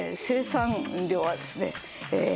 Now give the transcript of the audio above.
生産量はですね